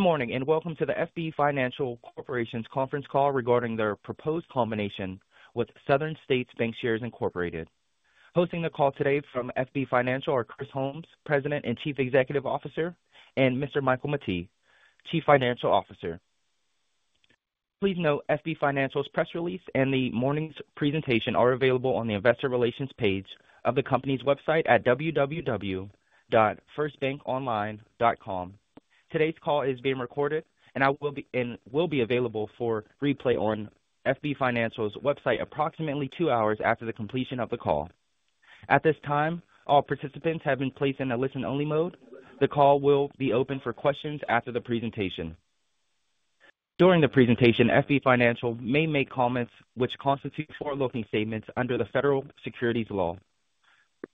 Good morning and welcome to the FB Financial Corporation's conference call regarding their proposed combination with Southern States Bancshares Incorporated. Hosting the call today from FB Financial are Chris Holmes, President and Chief Executive Officer, and Michael Mettee, Chief Financial Officer. Please note FB Financial's press release and the morning's presentation are available on the investor relations page of the company's website at www.firstbankonline.com. Today's call is being recorded and will be available for replay on FB Financial's website approximately two hours after the completion of the call. At this time, all participants have been placed in a listen-only mode. The call will be open for questions after the presentation. During the presentation, FB Financial may make comments which constitute forward-looking statements under the federal securities law.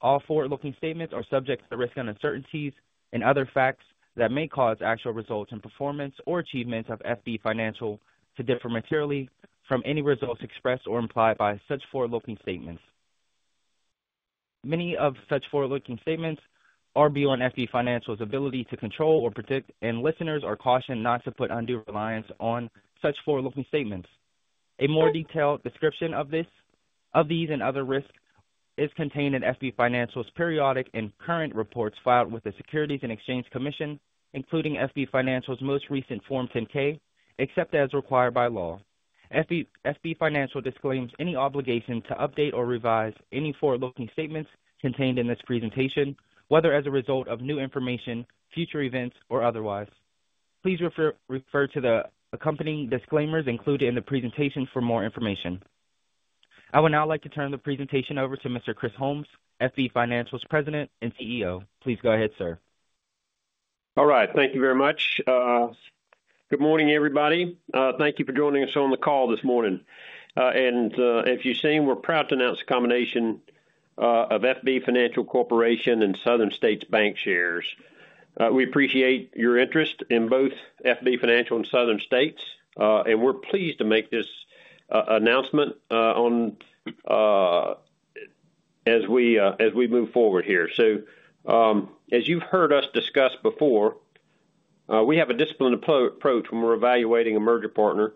All forward-looking statements are subject to the risk of uncertainties and other facts that may cause actual results in performance or achievements of FB Financial to differ materially from any results expressed or implied by such forward-looking statements. Many of such forward-looking statements are beyond FB Financial's ability to control or predict, and listeners are cautioned not to put undue reliance on such forward-looking statements. A more detailed description of these and other risks is contained in FB Financial's periodic and current reports filed with the Securities and Exchange Commission, including FB Financial's most recent Form 10-K, except as required by law. FB Financial disclaims any obligation to update or revise any forward-looking statements contained in this presentation, whether as a result of new information, future events, or otherwise. Please refer to the accompanying disclaimers included in the presentation for more information. I would now like to turn the presentation over to Mr. Chris Holmes, FB Financial's President and CEO. Please go ahead, sir. All right. Thank you very much. Good morning, everybody. Thank you for joining us on the call this morning. As you've seen, we're proud to announce the combination of FB Financial Corporation and Southern States Bancshares. We appreciate your interest in both FB Financial and Southern States, and we're pleased to make this announcement as we move forward here. As you've heard us discuss before, we have a disciplined approach when we're evaluating a merger partner,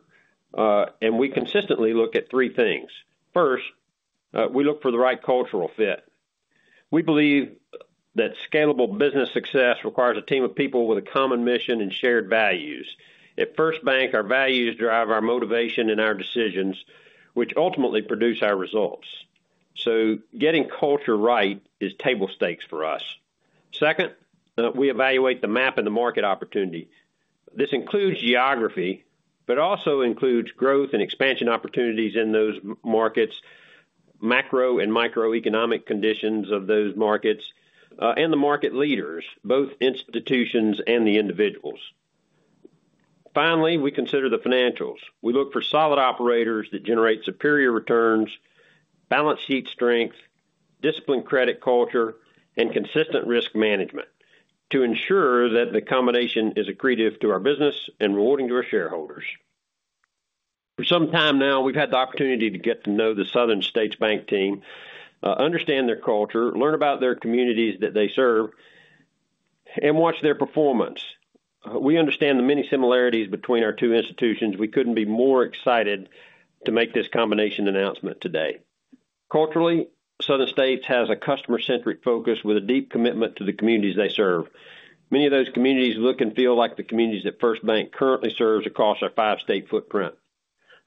and we consistently look at three things. First, we look for the right cultural fit. We believe that scalable business success requires a team of people with a common mission and shared values. At FirstBank, our values drive our motivation and our decisions, which ultimately produce our results. Getting culture right is table stakes for us. Second, we evaluate the map and the market opportunity. This includes geography, but also includes growth and expansion opportunities in those markets, macro and microeconomic conditions of those markets, and the market leaders, both institutions and the individuals. Finally, we consider the financials. We look for solid operators that generate superior returns, balance sheet strength, disciplined credit culture, and consistent risk management to ensure that the combination is accretive to our business and rewarding to our shareholders. For some time now, we've had the opportunity to get to know the Southern States Bank team, understand their culture, learn about their communities that they serve, and watch their performance. We understand the many similarities between our two institutions. We couldn't be more excited to make this combination announcement today. Culturally, Southern States has a customer-centric focus with a deep commitment to the communities they serve. Many of those communities look and feel like the communities that FirstBank currently serves across our five-state footprint.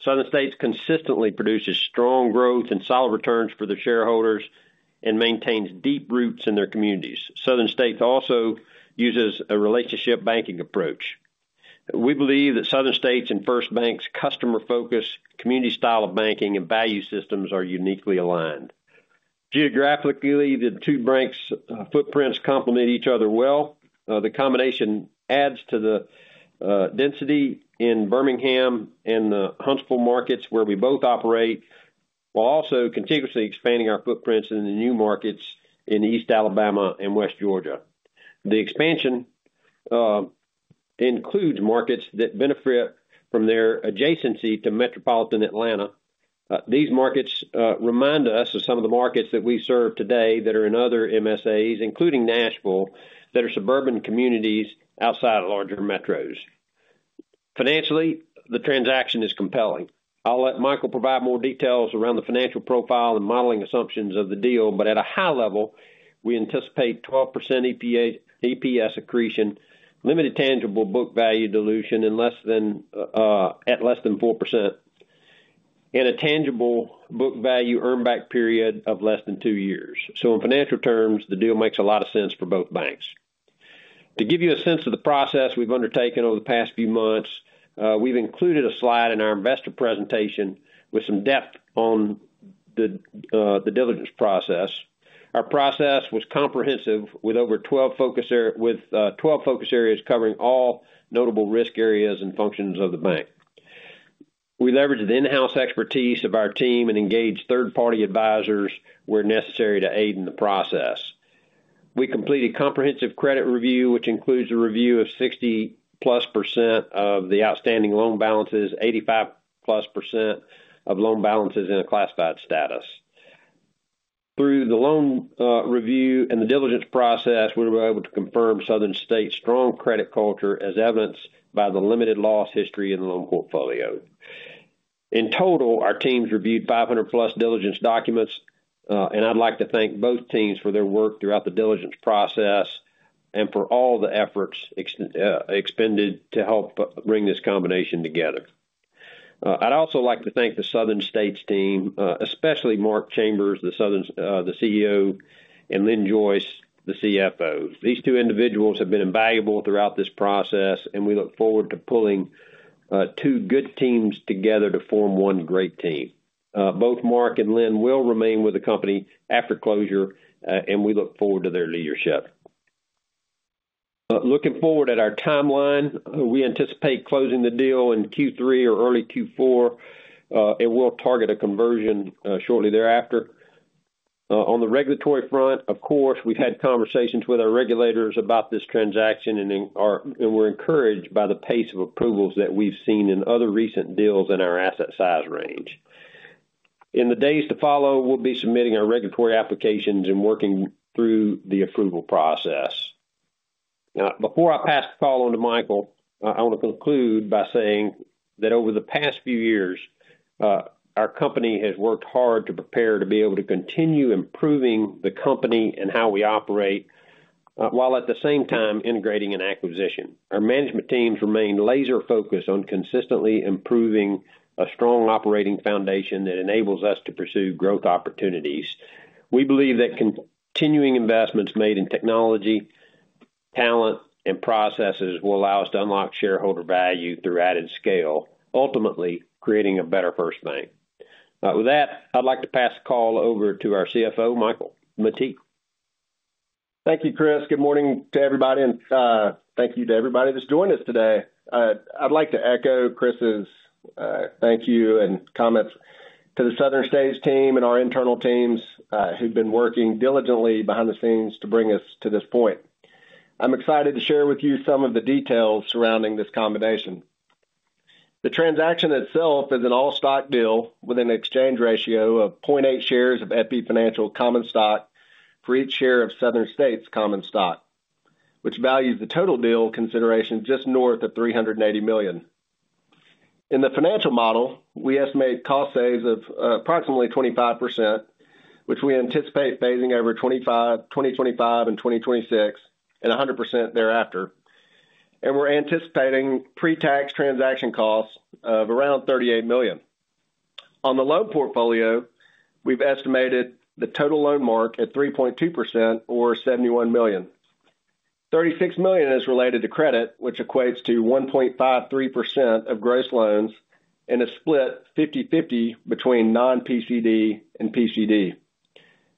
Southern States consistently produces strong growth and solid returns for their shareholders and maintains deep roots in their communities. Southern States also uses a relationship banking approach. We believe that Southern States and FirstBank's customer-focused community style of banking and value systems are uniquely aligned. Geographically, the two banks' footprints complement each other well. The combination adds to the density in Birmingham and the Huntsville markets where we both operate, while also contiguously expanding our footprints in the new markets in East Alabama and West Georgia. The expansion includes markets that benefit from their adjacency to metropolitan Atlanta. These markets remind us of some of the markets that we serve today that are in other MSAs, including Nashville, that are suburban communities outside of larger metros. Financially, the transaction is compelling. I'll let Michael provide more details around the financial profile and modeling assumptions of the deal, but at a high level, we anticipate 12% EPS accretion, limited tangible book value dilution at less than 4%, and a tangible book value earnback period of less than two years. In financial terms, the deal makes a lot of sense for both banks. To give you a sense of the process we've undertaken over the past few months, we've included a slide in our investor presentation with some depth on the diligence process. Our process was comprehensive with 12 focus areas covering all notable risk areas and functions of the bank. We leveraged the in-house expertise of our team and engaged third-party advisors where necessary to aid in the process. We completed comprehensive credit review, which includes the review of 60+% of the outstanding loan balances, 85+% of loan balances in a classified status. Through the loan review and the diligence process, we were able to confirm Southern States' strong credit culture as evidenced by the limited loss history in the loan portfolio. In total, our teams reviewed 500+ diligence documents, and I'd like to thank both teams for their work throughout the diligence process and for all the efforts expended to help bring this combination together. I'd also like to thank the Southern States team, especially Mark Chambers, the CEO, and Lynn Joyce, the CFO. These two individuals have been invaluable throughout this process, and we look forward to pulling two good teams together to form one great team. Both Mark and Lynn will remain with the company after closure, and we look forward to their leadership. Looking forward at our timeline, we anticipate closing the deal in Q3 or early Q4, and we'll target a conversion shortly thereafter. On the regulatory front, of course, we've had conversations with our regulators about this transaction, and we're encouraged by the pace of approvals that we've seen in other recent deals in our asset size range. In the days to follow, we'll be submitting our regulatory applications and working through the approval process. Now, before I pass the call on to Michael, I want to conclude by saying that over the past few years, our company has worked hard to prepare to be able to continue improving the company and how we operate while at the same time integrating an acquisition. Our management teams remain laser-focused on consistently improving a strong operating foundation that enables us to pursue growth opportunities. We believe that continuing investments made in technology, talent, and processes will allow us to unlock shareholder value through added scale, ultimately creating a better FirstBank. With that, I'd like to pass the call over to our CFO, Michael Mettee. Thank you, Chris. Good morning to everybody, and thank you to everybody that's joined us today. I'd like to echo Chris's thank you and comments to the Southern States team and our internal teams who've been working diligently behind the scenes to bring us to this point. I'm excited to share with you some of the details surrounding this combination. The transaction itself is an all-stock deal with an exchange ratio of 0.8 shares of FB Financial common stock for each share of Southern States common stock, which values the total deal consideration just north of $380 million. In the financial model, we estimate cost savings of approximately 25%, which we anticipate phasing over 2025 and 2026 and 100% thereafter. We're anticipating pre-tax transaction costs of around $38 million. On the loan portfolio, we've estimated the total loan mark at 3.2% or $71 million. $36 million is related to credit, which equates to 1.53% of gross loans and is split 50/50 between non-PCD and PCD.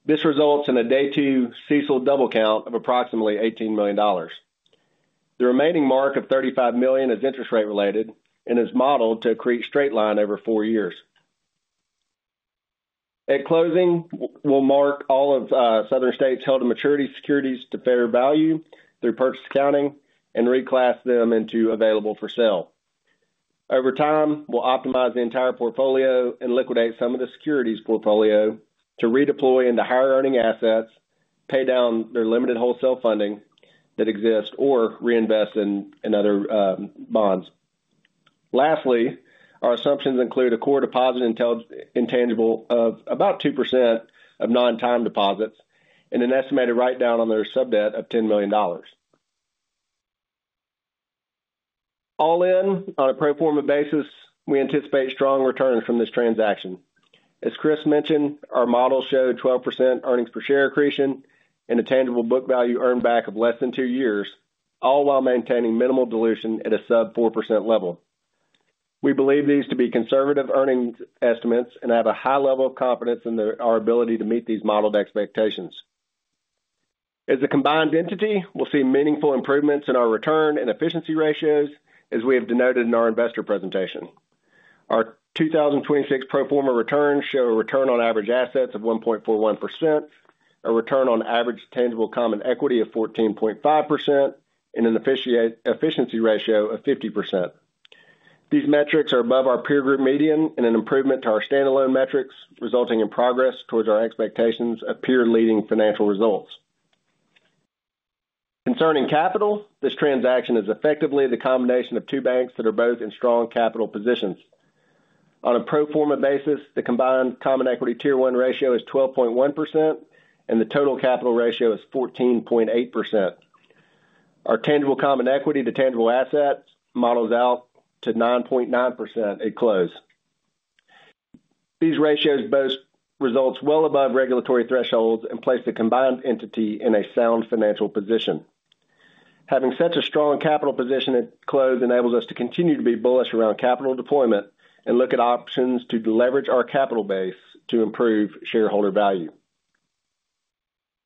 This results in a day two CECL double count of approximately $18 million. The remaining mark of $35 million is interest rate related and is modeled to accrete straight line over four years. At closing, we'll mark all of Southern States held-to-maturity securities to fair value through purchase accounting and reclass them into available-for-sale. Over time, we'll optimize the entire portfolio and liquidate some of the securities portfolio to redeploy into higher-earning assets, pay down their limited wholesale funding that exists, or reinvest in other bonds. Lastly, our assumptions include a core deposit intangible of about 2% of non-time deposits and an estimated write-down on their sub-debt of $10 million. All in, on a pro forma basis, we anticipate strong returns from this transaction. As Chris mentioned, our model showed 12% earnings per share accretion and a tangible book value earnback of less than two years, all while maintaining minimal dilution at a sub-4% level. We believe these to be conservative earnings estimates and have a high level of confidence in our ability to meet these modeled expectations. As a combined entity, we'll see meaningful improvements in our return and efficiency ratios, as we have denoted in our investor presentation. Our 2026 pro forma returns show a return on average assets of 1.41%, a return on average tangible common equity of 14.5%, and an efficiency ratio of 50%. These metrics are above our peer group median and an improvement to our standalone metrics, resulting in progress towards our expectations of peer-leading financial results. Concerning capital, this transaction is effectively the combination of two banks that are both in strong capital positions. On a pro forma basis, the combined Common Equity Tier 1 ratio is 12.1%, and the total capital ratio is 14.8%. Our tangible common equity to tangible assets models out to 9.9% at close. These ratios both result well above regulatory thresholds and place the combined entity in a sound financial position. Having such a strong capital position at close enables us to continue to be bullish around capital deployment and look at options to leverage our capital base to improve shareholder value.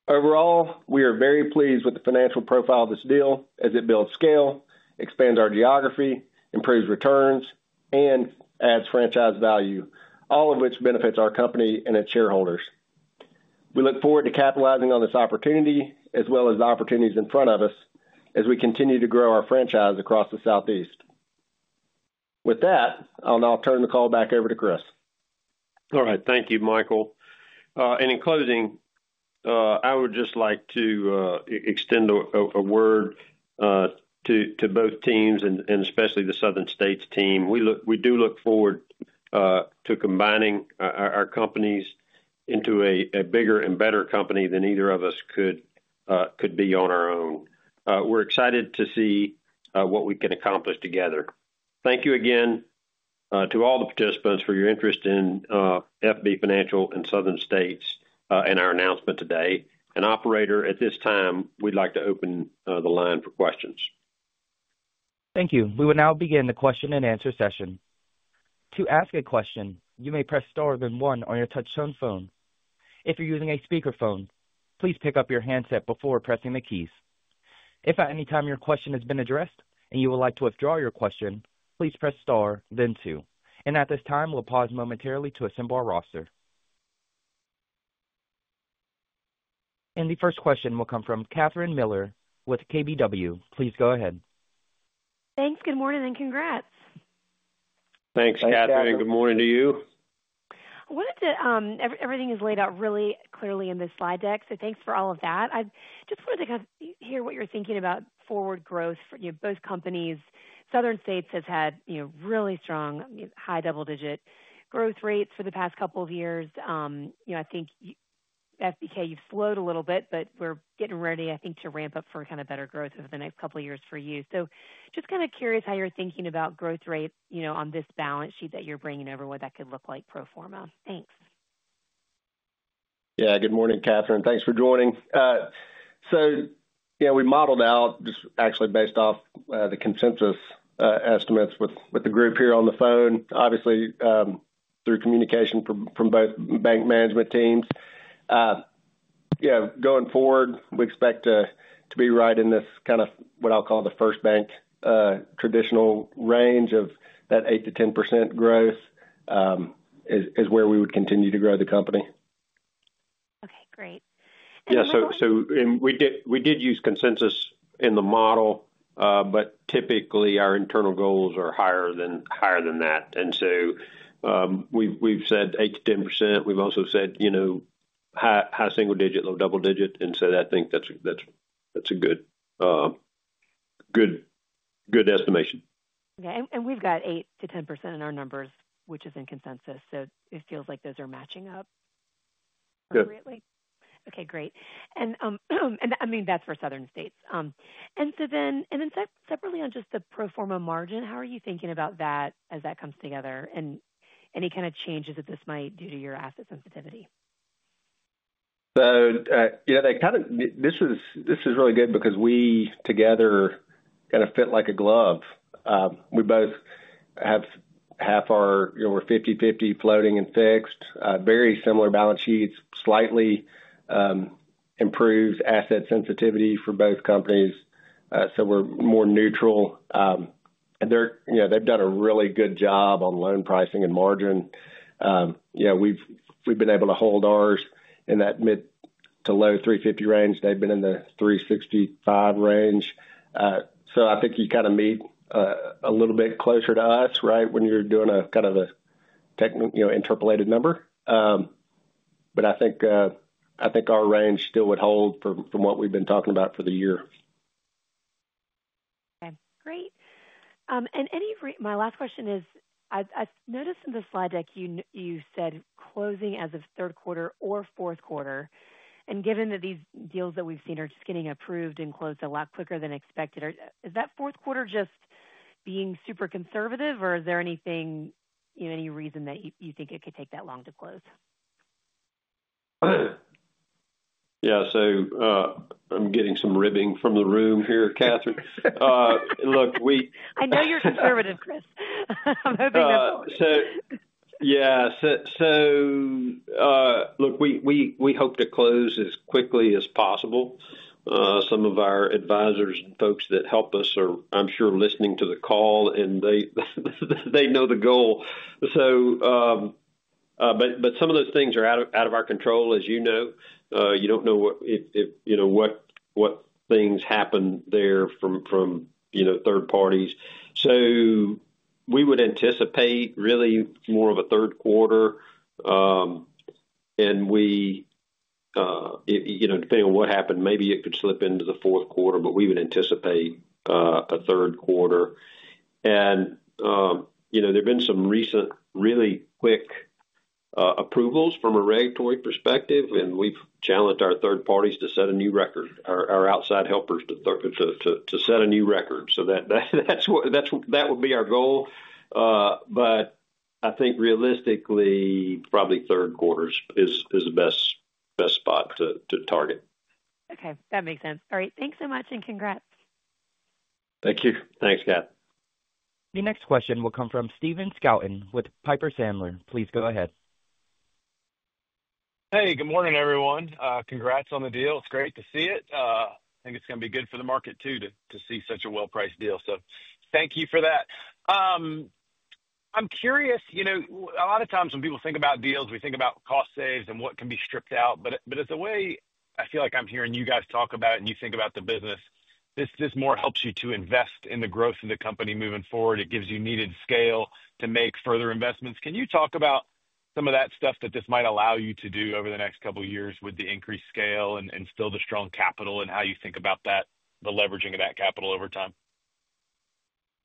Overall, we are very pleased with the financial profile of this deal as it builds scale, expands our geography, improves returns, and adds franchise value, all of which benefits our company and its shareholders. We look forward to capitalizing on this opportunity as well as the opportunities in front of us as we continue to grow our franchise across the Southeast. With that, I'll now turn the call back over to Chris. All right. Thank you, Michael. In closing, I would just like to extend a word to both teams and especially the Southern States team. We do look forward to combining our companies into a bigger and better company than either of us could be on our own. We're excited to see what we can accomplish together. Thank you again to all the participants for your interest in FB Financial and Southern States and our announcement today. Operator, at this time, we'd like to open the line for questions. Thank you. We will now begin the question-and-answer session. To ask a question, you may press star then one on your touch-tone phone. If you're using a speakerphone, please pick up your handset before pressing the keys. If at any time your question has been addressed and you would like to withdraw your question, please press star, then two. At this time, we'll pause momentarily to assemble our roster. The first question will come from Catherine Mealor with KBW. Please go ahead. Thanks. Good morning and congrats. Thanks, Catherine. Good morning to you. Everything is laid out really clearly in this slide deck, so thanks for all of that. I just wanted to hear what you're thinking about forward growth for both companies. Southern States has had really strong, high double-digit growth rates for the past couple of years. I think FBK, you've slowed a little bit, but we're getting ready, I think, to ramp up for kind of better growth over the next couple of years for you. Just kind of curious how you're thinking about growth rate on this balance sheet that you're bringing over, what that could look like pro forma. Thanks. Yeah. Good morning, Catherine. Thanks for joining. We modeled out, just actually based off the consensus estimates with the group here on the phone, obviously through communication from both bank management teams. Going forward, we expect to be right in this kind of what I'll call the FirstBank traditional range of that 8%-10% growth is where we would continue to grow the company. Okay. Great. Yeah. We did use consensus in the model, but typically, our internal goals are higher than that. We've said 8%-10%. We've also said high single-digit, low double-digit. I think that's a good estimation. Okay. We've got 8%-10% in our numbers, which is in consensus. It feels like those are matching up appropriately. Yep. Okay. Great. I mean, that's for Southern States. Then separately on just the pro forma margin, how are you thinking about that as that comes together and any kind of changes that this might do to your asset sensitivity? This is really good because we together kind of fit like a glove. We both have half our, we're 50/50 floating and fixed, very similar balance sheets, slightly improved asset sensitivity for both companies, so we're more neutral. They've done a really good job on loan pricing and margin. We've been able to hold ours in that mid to low 3.50% range. They've been in the 3.65% range. I think you kind of meet a little bit closer to us, right, when you're doing kind of an interpolated number. I think our range still would hold from what we've been talking about for the year. Okay. Great. My last question is, I noticed in the slide deck you said closing as of third quarter or fourth quarter. Given that these deals that we've seen are just getting approved and closed a lot quicker than expected, is that fourth quarter just being super conservative, or is there any reason that you think it could take that long to close? Yeah. I'm getting some ribbing from the room here, Catherine. Look, we. I know you're conservative, Chris. I'm hoping that's okay. Yeah. Look, we hope to close as quickly as possible. Some of our advisors and folks that help us are, I'm sure, listening to the call, and they know the goal. Some of those things are out of our control, as you know. You do not know what things happen there from third parties. We would anticipate really more of a third quarter. Depending on what happened, maybe it could slip into the fourth quarter, but we would anticipate a third quarter. There have been some recent really quick approvals from a regulatory perspective, and we've challenged our third parties to set a new record, our outside helpers to set a new record. That would be our goal. I think realistically, probably third quarter is the best spot to target. Okay. That makes sense. All right. Thanks so much and congrats. Thank you. Thanks, Cath. The next question will come from Stephen Scouten with Piper Sandler. Please go ahead. Hey, good morning, everyone. Congrats on the deal. It's great to see it. I think it's going to be good for the market too to see such a well-priced deal. Thank you for that. I'm curious. A lot of times when people think about deals, we think about cost saves and what can be stripped out. As a way, I feel like I'm hearing you guys talk about it and you think about the business. This more helps you to invest in the growth of the company moving forward. It gives you needed scale to make further investments. Can you talk about some of that stuff that this might allow you to do over the next couple of years with the increased scale and still the strong capital and how you think about the leveraging of that capital over time?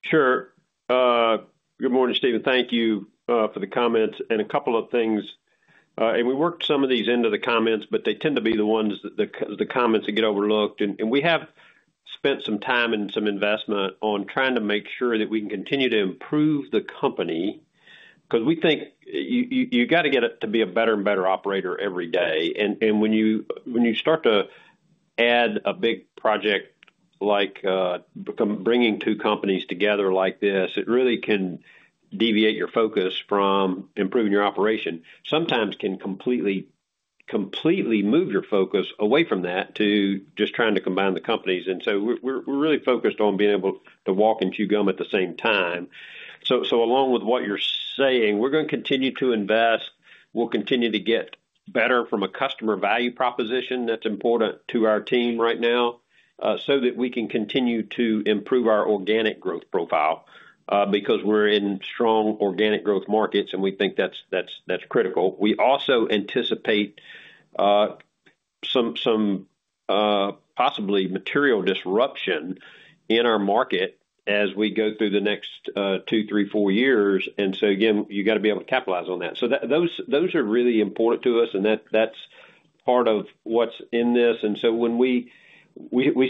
Sure. Good morning, Stephen. Thank you for the comments. A couple of things. We worked some of these into the comments, but they tend to be the ones that get overlooked. We have spent some time and some investment on trying to make sure that we can continue to improve the company because we think you got to get it to be a better and better operator every day. When you start to add a big project like bringing two companies together like this, it really can deviate your focus from improving your operation. Sometimes it can completely move your focus away from that to just trying to combine the companies. We are really focused on being able to walk and chew gum at the same time. Along with what you're saying, we're going to continue to invest. We'll continue to get better from a customer value proposition that's important to our team right now so that we can continue to improve our organic growth profile because we're in strong organic growth markets, and we think that's critical. We also anticipate some possibly material disruption in our market as we go through the next two, three, four years. You got to be able to capitalize on that. Those are really important to us, and that's part of what's in this. When we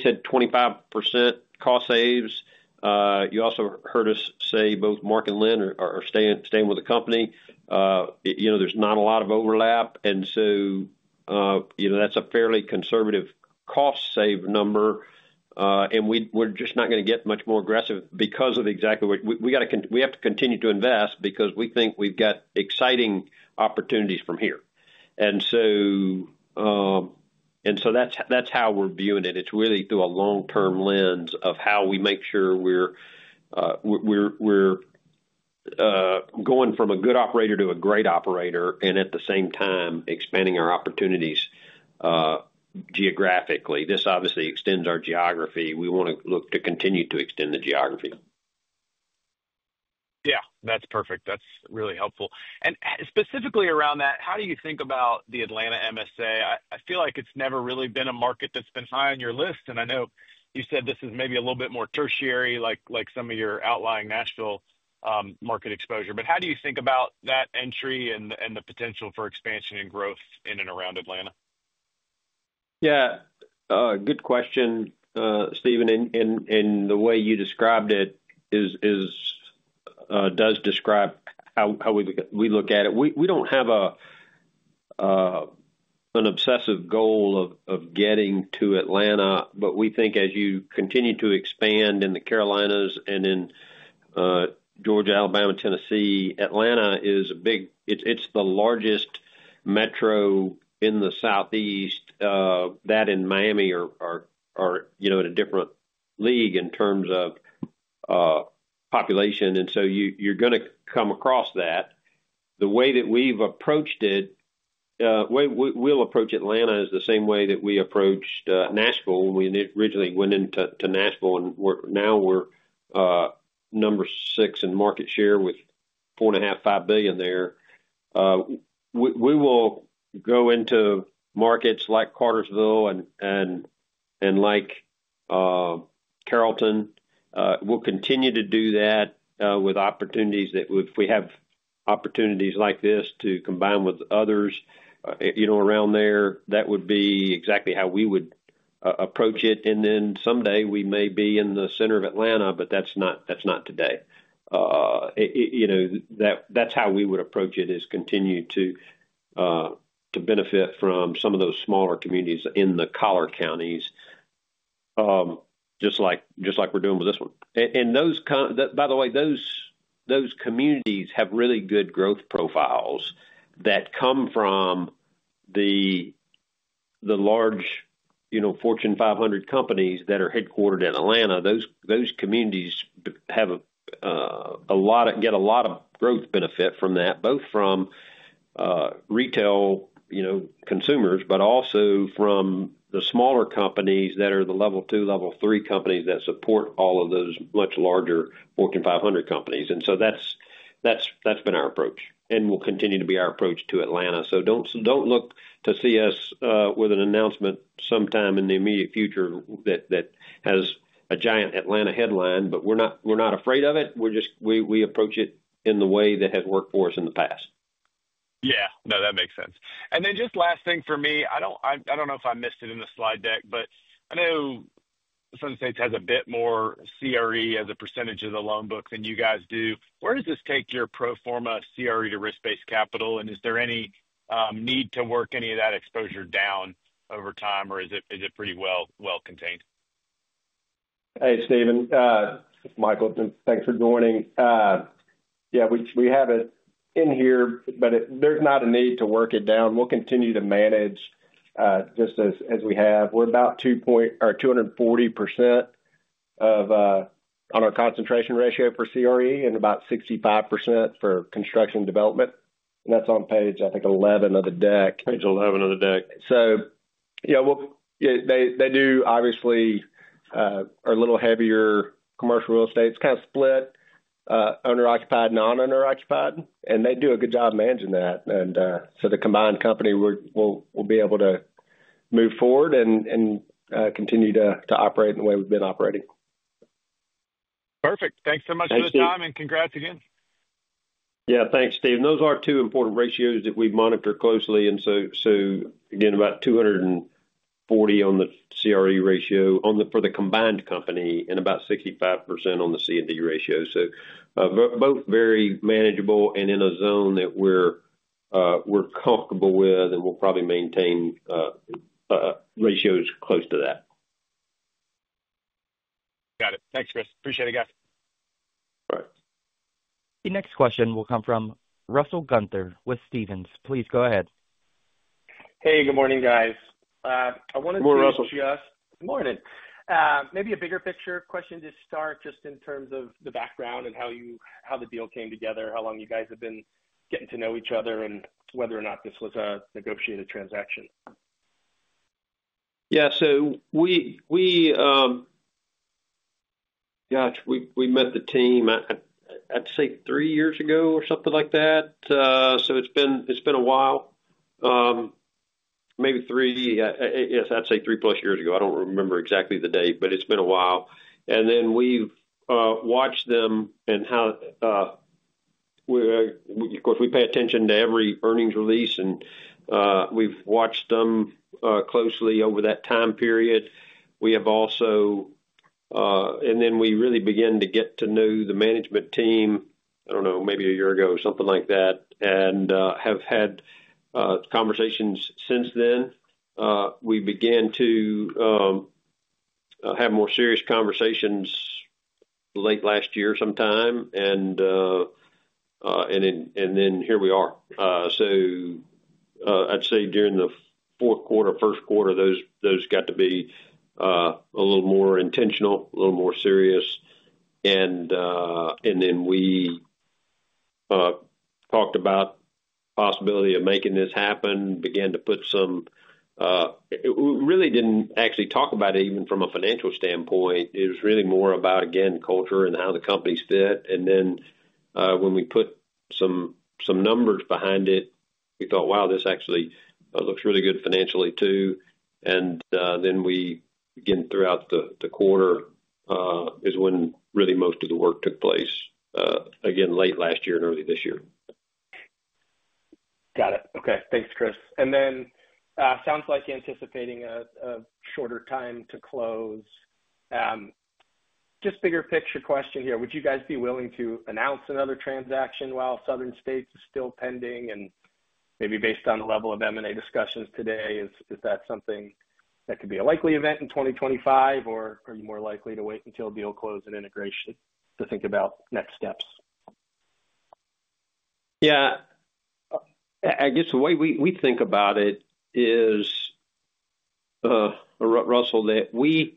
said 25% cost saves, you also heard us say both Mark and Lynn are staying with the company. There's not a lot of overlap. That's a fairly conservative cost save number. We're just not going to get much more aggressive because of exactly what we have to continue to invest because we think we've got exciting opportunities from here. That's how we're viewing it. It's really through a long-term lens of how we make sure we're going from a good operator to a great operator and at the same time expanding our opportunities geographically. This obviously extends our geography. We want to look to continue to extend the geography. Yeah. That's perfect. That's really helpful. Specifically around that, how do you think about the Atlanta MSA? I feel like it's never really been a market that's been high on your list. I know you said this is maybe a little bit more tertiary, like some of your outlying Nashville market exposure. How do you think about that entry and the potential for expansion and growth in and around Atlanta? Yeah. Good question, Stephen. The way you described it does describe how we look at it. We do not have an obsessive goal of getting to Atlanta, but we think as you continue to expand in the Carolinas and in Georgia, Alabama, Tennessee, Atlanta is a big, it is the largest metro in the Southeast. That and Miami are in a different league in terms of population. You are going to come across that. The way that we have approached it, we will approach Atlanta the same way that we approached Nashville. We originally went into Nashville, and now we are number six in market share with $4.5 billion-$5 billion there. We will go into markets like Cartersville and like Carrollton. We will continue to do that with opportunities that, if we have opportunities like this to combine with others around there, that would be exactly how we would approach it. Someday we may be in the center of Atlanta, but that's not today. That is how we would approach it: continue to benefit from some of those smaller communities in the collar counties, just like we're doing with this one. By the way, those communities have really good growth profiles that come from the large Fortune 500 companies that are headquartered in Atlanta. Those communities get a lot of growth benefit from that, both from retail consumers and also from the smaller companies that are the level two, level three companies that support all of those much larger Fortune 500 companies. That has been our approach and will continue to be our approach to Atlanta. Do not look to see us with an announcement sometime in the immediate future that has a giant Atlanta headline, but we're not afraid of it. We approach it in the way that has worked for us in the past. Yeah. No, that makes sense. Just last thing for me. I don't know if I missed it in the slide deck, but I know Southern States has a bit more CRE as a percentage of the loan books than you guys do. Where does this take your pro forma CRE to risk-based capital? Is there any need to work any of that exposure down over time, or is it pretty well contained? Hey, Stephen. This is Michael. Thanks for joining. Yeah. We have it in here, but there's not a need to work it down. We'll continue to manage just as we have. We're about 240% on our concentration ratio for CRE and about 65% for construction development. And that's on page, I think, 11 of the deck. Page 11 of the deck. They do obviously are a little heavier commercial real estate. It's kind of split, owner-occupied, non-owner-occupied. They do a good job managing that. The combined company, we'll be able to move forward and continue to operate in the way we've been operating. Perfect. Thanks so much for the time, and congrats again. Yeah. Thanks, Stephen. Those are two important ratios that we monitor closely. Again, about 240% on the CRE ratio for the combined company and about 65% on the C&D ratio. Both very manageable and in a zone that we're comfortable with, and we'll probably maintain ratios close to that. Got it. Thanks, Chris. Appreciate it, guys. All right. The next question will come from Russell Gunther with Stephens. Please go ahead. Hey, good morning, guys. I wanted to. Good morning, Russell. Good morning. Maybe a bigger picture question to start just in terms of the background and how the deal came together, how long you guys have been getting to know each other, and whether or not this was a negotiated transaction. Yeah. Gosh, we met the team, I'd say, three years ago or something like that. It's been a while. Maybe three. Yes, I'd say 3+ years ago. I don't remember exactly the date, but it's been a while. We watched them and how, of course, we pay attention to every earnings release, and we've watched them closely over that time period. We have also, and then we really began to get to know the management team, I don't know, maybe a year ago or something like that, and have had conversations since then. We began to have more serious conversations late last year sometime, and here we are. I'd say during the fourth quarter, first quarter, those got to be a little more intentional, a little more serious. We talked about the possibility of making this happen, began to put some—we really did not actually talk about it even from a financial standpoint. It was really more about, again, culture and how the companies fit. When we put some numbers behind it, we thought, "Wow, this actually looks really good financially too." Throughout the quarter is when really most of the work took place, late last year and early this year. Got it. Okay. Thanks, Chris. Then sounds like anticipating a shorter time to close. Just bigger picture question here. Would you guys be willing to announce another transaction while Southern States is still pending? Maybe based on the level of M&A discussions today, is that something that could be a likely event in 2025, or are you more likely to wait until deal close and integration to think about next steps? Yeah. I guess the way we think about it is, Russell, that we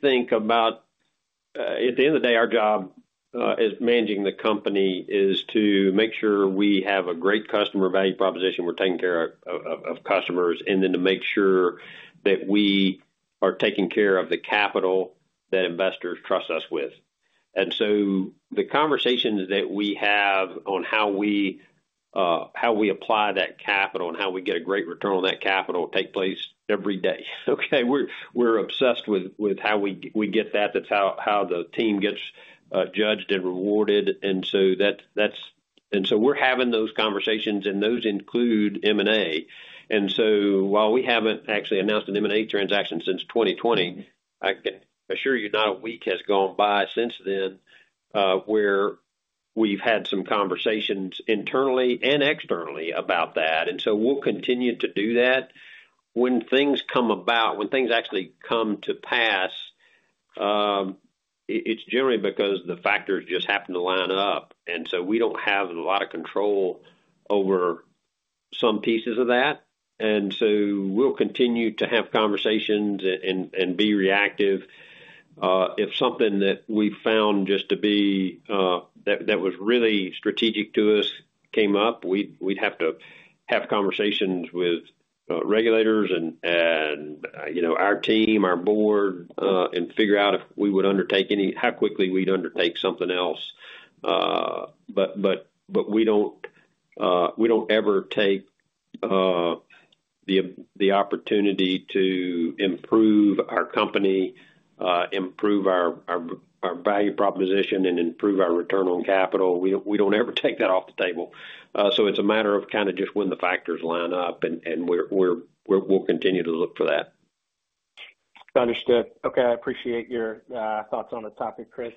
think about at the end of the day, our job as managing the company is to make sure we have a great customer value proposition. We're taking care of customers, and then to make sure that we are taking care of the capital that investors trust us with. The conversations that we have on how we apply that capital and how we get a great return on that capital take place every day. Okay? We're obsessed with how we get that. That's how the team gets judged and rewarded. We're having those conversations, and those include M&A. While we haven't actually announced an M&A transaction since 2020, I can assure you not a week has gone by since then where we've had some conversations internally and externally about that. We'll continue to do that. When things come about, when things actually come to pass, it's generally because the factors just happen to line up. We don't have a lot of control over some pieces of that. We'll continue to have conversations and be reactive. If something that we found just to be that was really strategic to us came up, we'd have to have conversations with regulators and our team, our board, and figure out if we would undertake any how quickly we'd undertake something else. We don't ever take the opportunity to improve our company, improve our value proposition, and improve our return on capital. We do not ever take that off the table. It is a matter of kind of just when the factors line up, and we will continue to look for that. Understood. Okay. I appreciate your thoughts on the topic, Chris.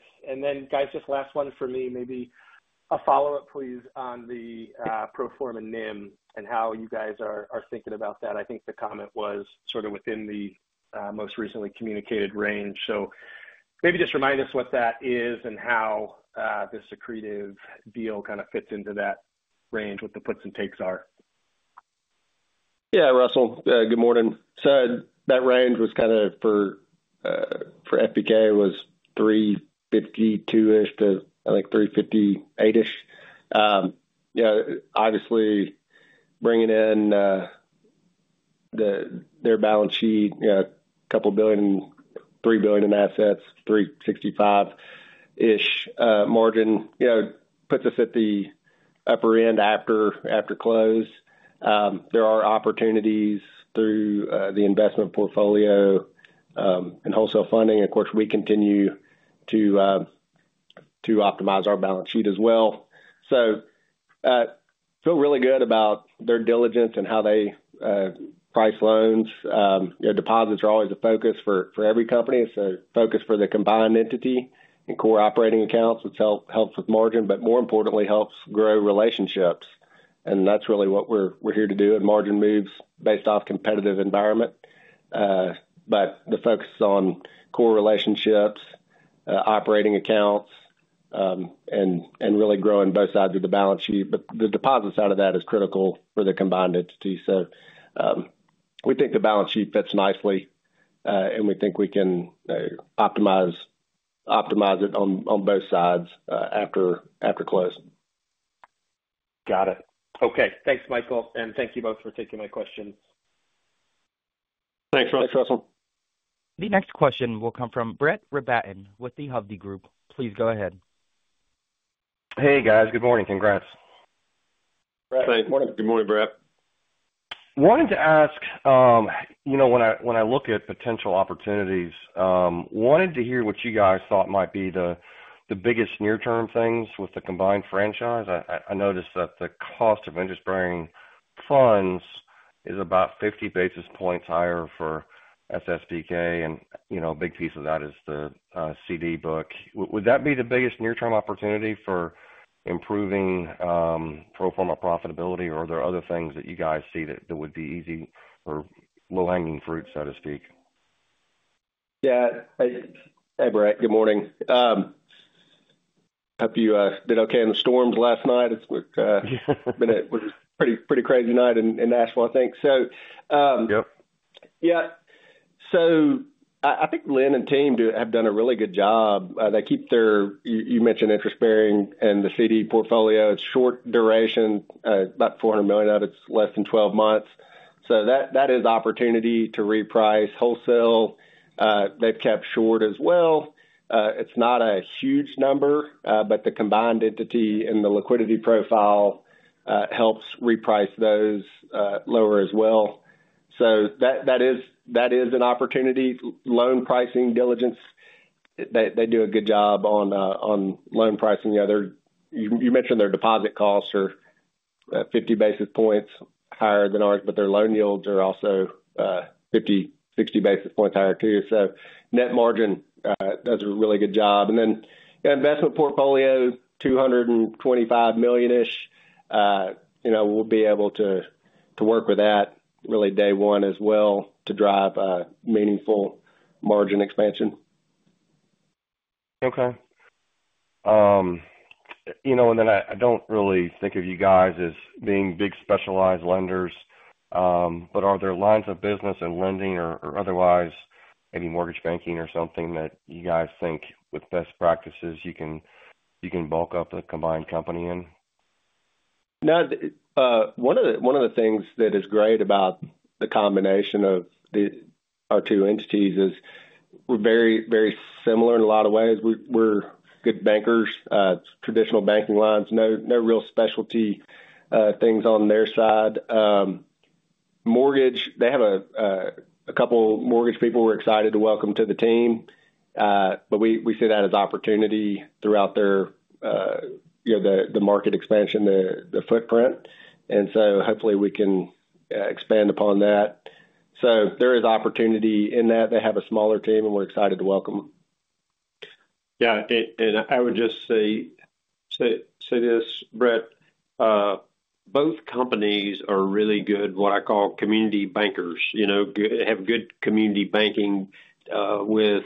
Guys, just last one for me, maybe a follow-up, please, on the pro forma NIM and how you guys are thinking about that. I think the comment was sort of within the most recently communicated range. Maybe just remind us what that is and how this accretive deal kind of fits into that range, what the puts and takes are. Yeah, Russell, good morning. That range was kind of for FBK was 352-ish to, I think, 358-ish. Obviously, bringing in their balance sheet, a couple of billion, $3 billion in assets, 365-ish margin puts us at the upper end after close. There are opportunities through the investment portfolio and wholesale funding. Of course, we continue to optimize our balance sheet as well. I feel really good about their diligence and how they price loans. Deposits are always a focus for every company. It is a focus for the combined entity and core operating accounts, which helps with margin, but more importantly, helps grow relationships. That is really what we are here to do. Margin moves based off competitive environment. The focus is on core relationships, operating accounts, and really growing both sides of the balance sheet. The deposit side of that is critical for the combined entity. We think the balance sheet fits nicely, and we think we can optimize it on both sides after close. Got it. Okay. Thanks, Michael. Thank you both for taking my questions. Thanks, Russell. The next question will come from Brett Rabatin with the Hovde Group. Please go ahead. Hey, guys. Good morning. Congrats. Brett, good morning. Good morning, Brett. Wanted to ask, when I look at potential opportunities, wanted to hear what you guys thought might be the biggest near-term things with the combined franchise. I noticed that the cost of interest-bearing funds is about 50 basis points higher for SSBK, and a big piece of that is the CD book. Would that be the biggest near-term opportunity for improving pro forma profitability, or are there other things that you guys see that would be easy or low-hanging fruit, so to speak? Yeah. Hey, Brett. Good morning. Hope you did okay in the storms last night. It's been a pretty crazy night in Nashville, I think. Yep. Yeah. I think Lynn and team have done a really good job. They keep their—you mentioned interest-bearing and the CD portfolio. It's short duration, about $400 million out. It's less than 12 months. That is opportunity to reprice. Wholesale, they've kept short as well. It's not a huge number, but the combined entity and the liquidity profile helps reprice those lower as well. That is an opportunity. Loan pricing diligence, they do a good job on loan pricing. You mentioned their deposit costs are 50 basis points higher than ours, but their loan yields are also 50 basis points-60 basis points higher too. Net margin, that does a really good job. Investment portfolio, $225 million-ish. We'll be able to work with that really day one as well to drive meaningful margin expansion. Okay. I don't really think of you guys as being big specialized lenders, but are there lines of business in lending or otherwise, maybe mortgage banking or something that you guys think with best practices you can bulk up the combined company in? No. One of the things that is great about the combination of our two entities is we're very, very similar in a lot of ways. We're good bankers, traditional banking lines, no real specialty things on their side. Mortgage, they have a couple of mortgage people we're excited to welcome to the team, but we see that as opportunity throughout the market expansion, the footprint. Hopefully we can expand upon that. There is opportunity in that. They have a smaller team, and we're excited to welcome them. Yeah. I would just say this, Brett. Both companies are really good, what I call community bankers. They have good community banking with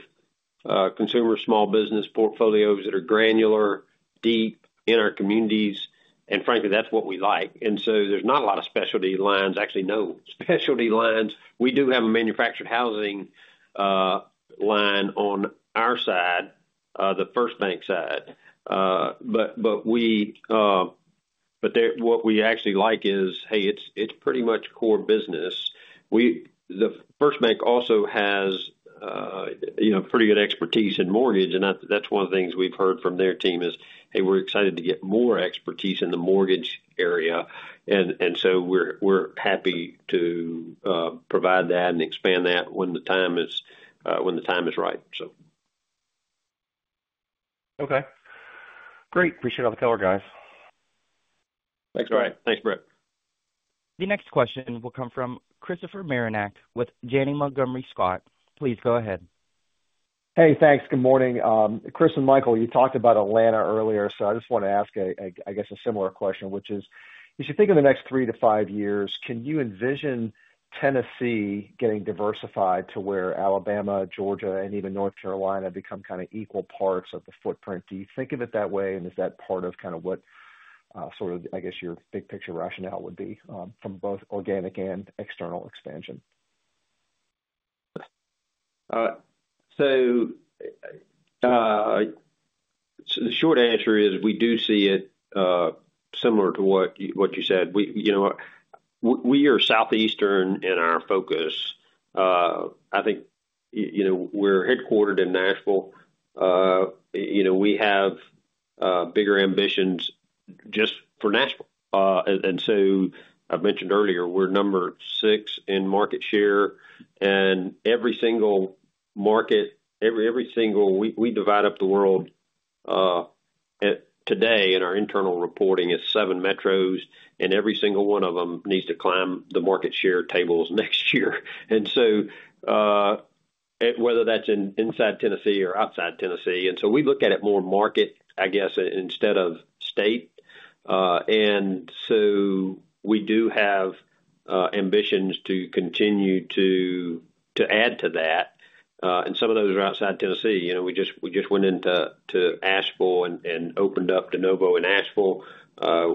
consumer small business portfolios that are granular, deep in our communities. Frankly, that's what we like. There are not a lot of specialty lines, actually no specialty lines. We do have a manufactured housing line on our side, the FirstBank side. What we actually like is, hey, it's pretty much core business. FirstBank also has pretty good expertise in mortgage, and that's one of the things we've heard from their team is, hey, we're excited to get more expertise in the mortgage area. We're happy to provide that and expand that when the time is right. Okay. Great. Appreciate all the color, guys. Thanks, Brett. The next question will come from Christopher Marinac with Janney Montgomery Scott. Please go ahead. Hey, thanks. Good morning. Chris and Michael, you talked about Atlanta earlier, so I just wanted to ask, I guess, a similar question, which is, as you think of the next three to five years, can you envision Tennessee getting diversified to where Alabama, Georgia, and even North Carolina become kind of equal parts of the footprint? Do you think of it that way, and is that part of kind of what sort of, I guess, your big picture rationale would be from both organic and external expansion? The short answer is we do see it similar to what you said. We are southeastern in our focus. I think we're headquartered in Nashville. We have bigger ambitions just for Nashville. I mentioned earlier, we're number six in market share. Every single market, every single way we divide up the world today in our internal reporting is seven metros, and every single one of them needs to climb the market share tables next year. Whether that's inside Tennessee or outside Tennessee, we look at it more market, I guess, instead of state. We do have ambitions to continue to add to that, and some of those are outside Tennessee. We just went into Asheville and opened up de novo in Asheville.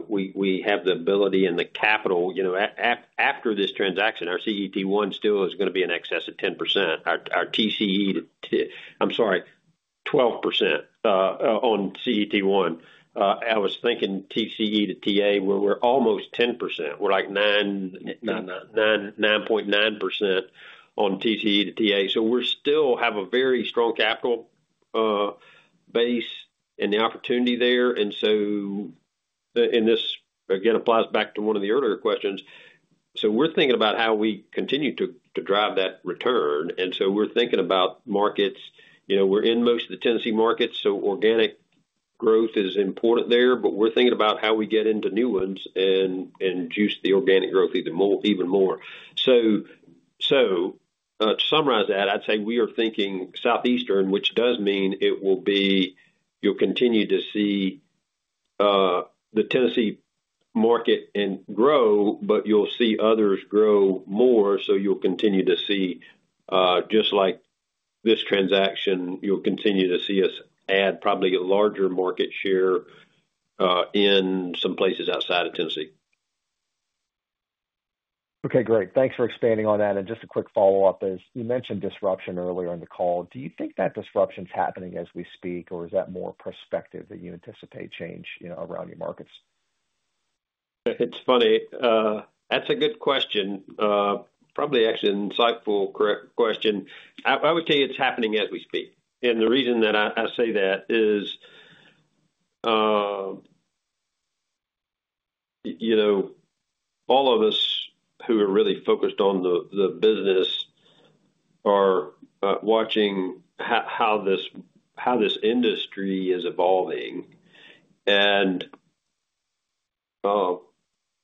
We have the ability and the capital. After this transaction, our CET1 still is going to be in excess of 10%. Our TCE to—I'm sorry, 12% on CET1. I was thinking TCE to TA where we're almost 10%. We're like 9.9% on TCE to TA. We still have a very strong capital base and the opportunity there. This, again, applies back to one of the earlier questions. We're thinking about how we continue to drive that return. We're thinking about markets. We're in most of the Tennessee markets, so organic growth is important there, but we're thinking about how we get into new ones and juice the organic growth even more. To summarize that, I'd say we are thinking southeastern, which does mean you'll continue to see the Tennessee market grow, but you'll see others grow more. You'll continue to see, just like this transaction, you'll continue to see us add probably a larger market share in some places outside of Tennessee. Okay. Great. Thanks for expanding on that. Just a quick follow-up is you mentioned disruption earlier in the call. Do you think that disruption's happening as we speak, or is that more prospective that you anticipate change around your markets? It's funny. That's a good question. Probably actually an insightful question. I would tell you it's happening as we speak. The reason that I say that is all of us who are really focused on the business are watching how this industry is evolving.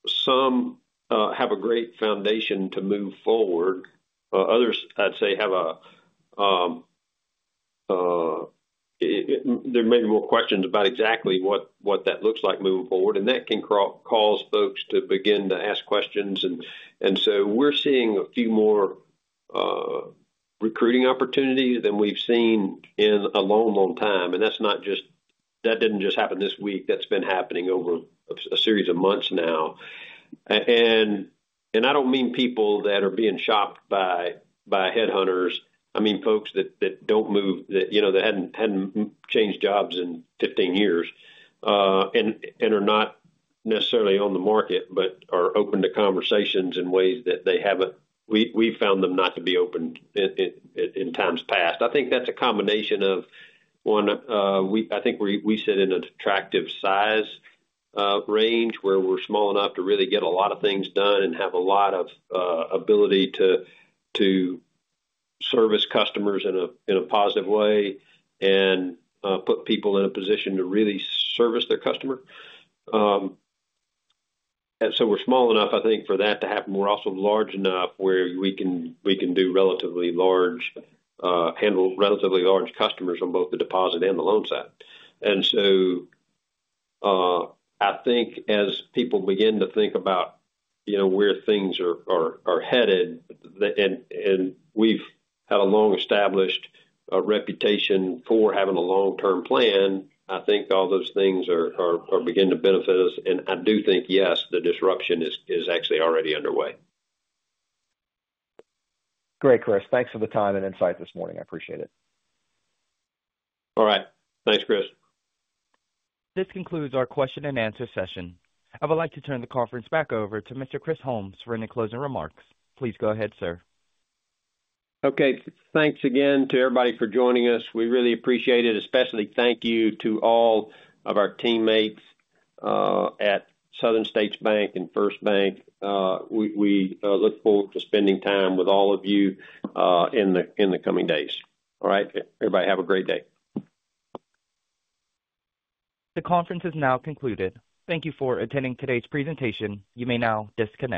Some have a great foundation to move forward. Others, I'd say, have a—there may be more questions about exactly what that looks like moving forward. That can cause folks to begin to ask questions. We're seeing a few more recruiting opportunities than we've seen in a long, long time. That's not just—that didn't just happen this week. That's been happening over a series of months now. I don't mean people that are being shopped by headhunters. I mean folks that don't move, that hadn't changed jobs in 15 years and are not necessarily on the market, but are open to conversations in ways that they haven't—we've found them not to be open in times past. I think that's a combination of one, I think we sit in an attractive size range where we're small enough to really get a lot of things done and have a lot of ability to service customers in a positive way and put people in a position to really service their customer. We are small enough, I think, for that to happen. We are also large enough where we can do relatively large—handle relatively large customers on both the deposit and the loan side. I think as people begin to think about where things are headed, and we've had a long-established reputation for having a long-term plan, I think all those things are beginning to benefit us. I do think, yes, the disruption is actually already underway. Great, Chris. Thanks for the time and insight this morning. I appreciate it. All right. Thanks, Chris. This concludes our question-and-answer session. I would like to turn the conference back over to Mr. Chris Holmes for any closing remarks. Please go ahead, sir. Okay. Thanks again to everybody for joining us. We really appreciate it. Especially thank you to all of our teammates at Southern States Bank and FirstBank. We look forward to spending time with all of you in the coming days. All right? Everybody have a great day. The conference is now concluded. Thank you for attending today's presentation. You may now disconnect.